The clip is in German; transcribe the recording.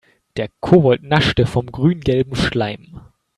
Der Kobold naschte vom grüngelben Schleim.